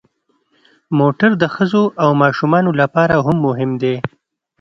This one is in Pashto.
موټر د ښځو او ماشومانو لپاره هم مهم دی.